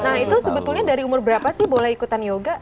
nah itu sebetulnya dari umur berapa sih boleh ikutan yoga